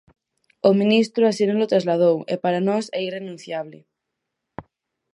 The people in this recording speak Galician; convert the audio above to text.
O ministro así nolo trasladou, e para nós é irrenunciable.